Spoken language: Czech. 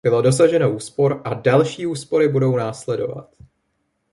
Bylo dosaženo úspor a další úspory budou následovat.